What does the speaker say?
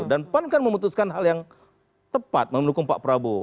dan pan kan memutuskan hal yang tepat memudukung pak prabowo